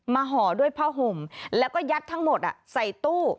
ห่อด้วยผ้าห่มแล้วก็ยัดทั้งหมดใส่ตู้